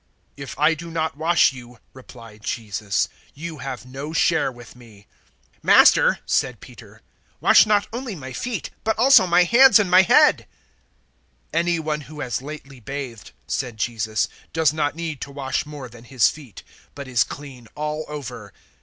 "If I do not wash you," replied Jesus, "you have no share with me." 013:009 "Master," said Peter, "wash not only my feet, but also my hands and my head." 013:010 "Any one who has lately bathed," said Jesus, "does not need to wash more than his feet, but is clean all over.